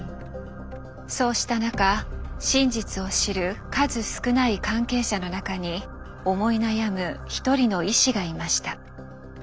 そうした中真実を知る数少ない関係者の中に思い悩む一人の医師がいました。